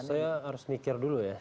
saya harus mikir dulu ya